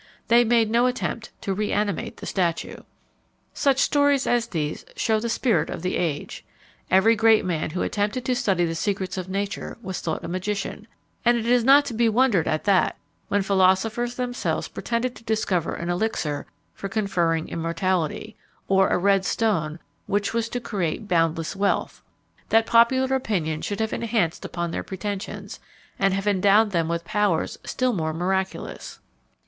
They made no attempt to re animate the statue. Naudé, Apologie des Grands Hommes accusés de Magie, chap. xviii. [Illustration: ALBERTUS MAGNUS.] Such stories as these shew the spirit of the age. Every great man who attempted to study the secrets of nature was thought a magician; and it is not to be wondered at that, when philosophers themselves pretended to discover an elixir for conferring immortality, or a red stone which was to create boundless wealth, that popular opinion should have enhanced upon their pretensions, and have endowed them with powers still more miraculous.